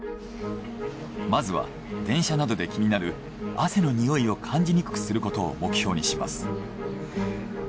まずは電車などで気になる汗のにおいを感じにくくすることを目標にします。